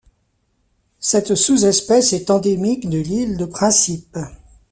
Cette sous-espèce est endémique de l'île de Principe.